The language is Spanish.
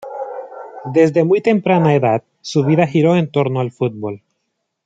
Desde muy temprana edad su vida giró en torno al fútbol.